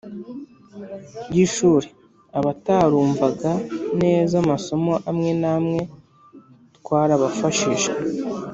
y’ishuri abatarumvaga neza amasomo amwe n’amwe twarabafashije